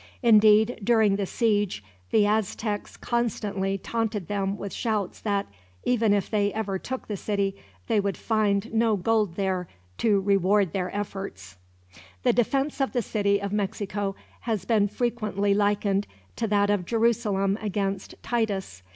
Indeed, during the siege the Aztecs constantly taunted them with shouts that, even if they ever took the city, they would find no gold there to reward their efforts. The defense of the city of Mexico has been frequently likened to that of Jerusalem against Titus.